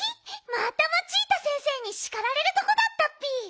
またマチータ先生にしかられるとこだったッピ！